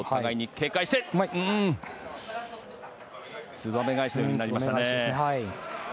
つばめ返しになりましたね。